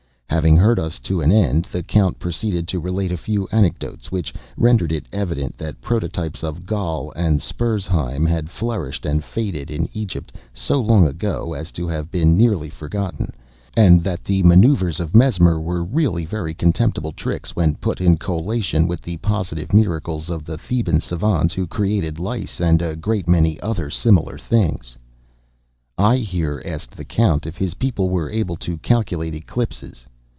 Having heard us to an end, the Count proceeded to relate a few anecdotes, which rendered it evident that prototypes of Gall and Spurzheim had flourished and faded in Egypt so long ago as to have been nearly forgotten, and that the manoeuvres of Mesmer were really very contemptible tricks when put in collation with the positive miracles of the Theban savans, who created lice and a great many other similar things. I here asked the Count if his people were able to calculate eclipses.